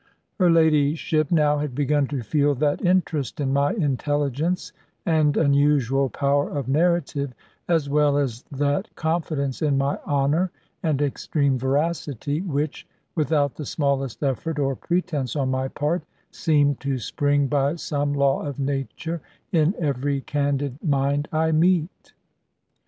Her ladyship now had begun to feel that interest in my intelligence and unusual power of narrative, as well as that confidence in my honour and extreme veracity, which, without the smallest effort or pretence on my part, seem to spring by some law of nature in every candid mind I meet.